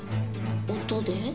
音で？